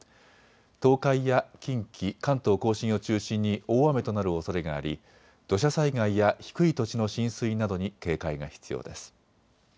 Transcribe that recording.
東海や近畿、関東甲信を中心に大雨となるおそれがあり土砂災害や低い土地の浸水などに警戒が必要です。